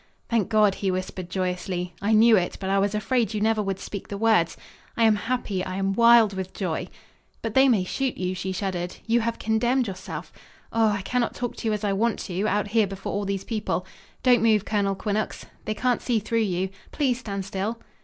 "Thank God!" he whispered joyously. "I knew it, but I was afraid you never would speak the words. I am happy I am wild with joy." "But they may shoot you," she shuddered. "You have condemned yourself. Oh, I cannot talk to you as I want to out here before all these people. Don't move, Colonel Quinnox they can't see through you. Please stand still."